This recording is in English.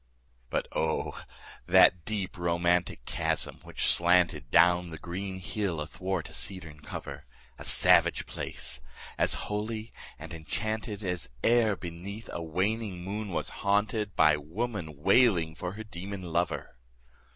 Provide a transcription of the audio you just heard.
But O, that deep romantic chasm which slanted Down the green hill athwart a cedarn cover! A savage place! as holy and enchanted As e'er beneath a waning moon was haunted 15 By woman wailing for her demon lover!